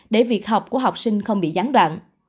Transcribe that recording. để việc học của học sinh không bị gián đoạn